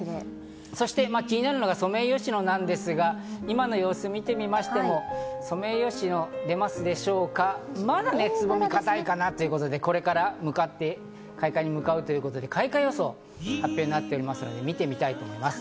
そして気になるのがソメイヨシノなんですが、今の様子を見てみましてもソメイヨシノ、まだつぼみが固いかなということで、これから開花に向かうということで、開花予想が発表されているので見てみたいと思います。